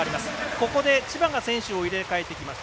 ここで千葉が選手を入れ替えてきました。